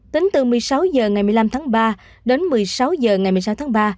tính từ một mươi sáu h ngày một mươi năm tháng ba đến một mươi sáu h ngày một mươi sáu tháng ba